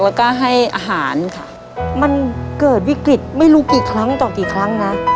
แล้วก็ให้อาหารค่ะมันเกิดวิกฤตไม่รู้กี่ครั้งต่อกี่ครั้งนะ